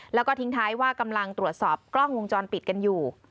แล้วก็ทิ้งท้ายว่ากำลังตรวจสอบกล้องวงจรปิดกันอยู่